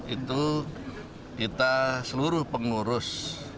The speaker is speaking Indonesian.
itu kita seluruh pengurus